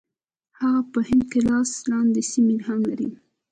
هغه په هند کې لاس لاندې سیمې هم لري.